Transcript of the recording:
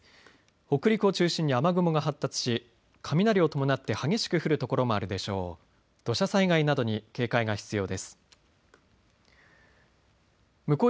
北陸を中心に雨雲が発達し雷を伴って激しく降る所もあるでしょう。